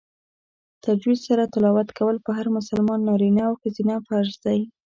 تجوید سره تلاوت کول په هر مسلمان نارینه او ښځینه فرض دی